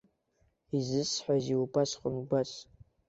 Изысҳәазеи убасҟан убас?